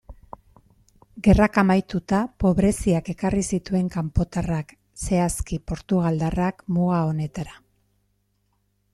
Gerrak amaituta, pobreziak ekarri zituen kanpotarrak, zehazki portugaldarrak, muga honetara.